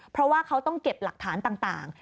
เพราะว่าเขาต้องเก็บหลักฐานต่าง